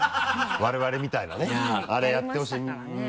我々みたいなねあれやってほしい。